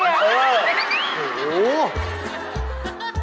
เออโอ้โฮโอ้โฮ